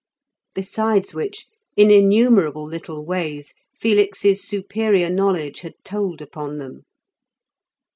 Besides which, in innumerable little ways Felix's superior knowledge had told upon them.